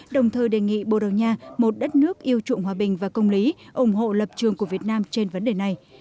đồng thời đề nghị bồ đầu nha một đất nước yêu trụng hòa bình và công lý ủng hộ lập trường của việt nam trên vấn đề này